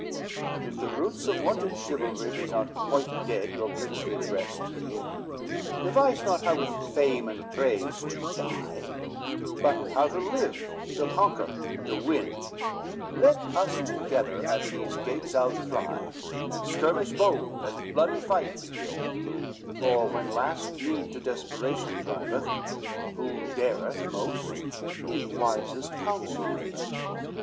VI "But if the roots of wonted chivalry Be not quite dead your princely breast within, Devise not how with frame and praise to die, But how to live, to conquer and to win; Let us together at these gates outfly, And skirmish bold and bloody fight begin; For when last need to desperation driveth, Who dareth most he wisest counsel giveth.